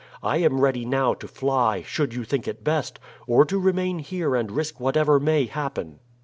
I am ready now to fly, should you think it best, or to remain here and risk whatever may happen."